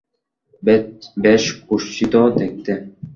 বেশ কুৎসিত দেখতে।